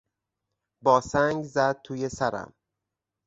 با سنگ زد توی سرم.